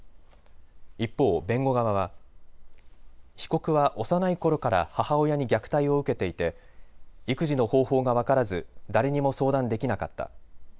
一方、弁護側は被告は幼いころから母親に虐待を受けていて育児の方法が分からず、誰にも相談できなかった。